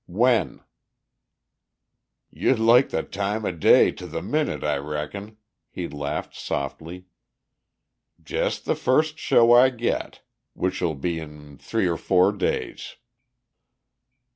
"When?" "You'd like the time o' day to the minute, I reckon!" He laughed softly. "Jus' the first show I get, which'll be in three or four days."